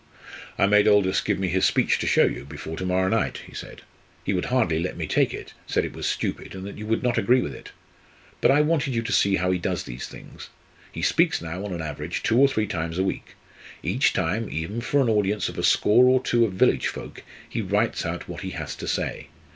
"I made Aldous give me his speech to show you, before to morrow night," he said. "He would hardly let me take it, said it was stupid, and that you would not agree with it. But I wanted you to see how he does these things. He speaks now, on an average, two or three times a week. Each time, even for an audience of a score or two of village folk, he writes out what he has to say.